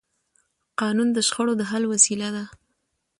قانون د شخړو د حل وسیله ده